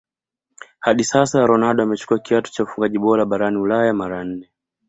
Hadi sasa Ronaldo amechukua kiatu cha ufungaji bora barani ulaya mara nne